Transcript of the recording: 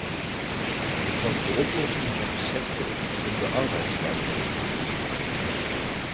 Dit was de oplossing van de sector om de arbeidstijdenregels te ontlopen.